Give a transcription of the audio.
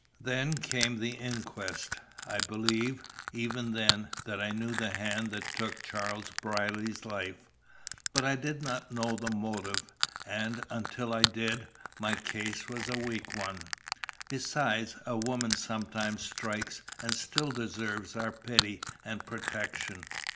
"Then came the inquest. I believed, even then, that I knew the hand that took Charles Brierly's life. But I did not know the motive, and, until I did, my case was a weak one. Besides, a woman sometimes strikes and still deserves our pity and protection.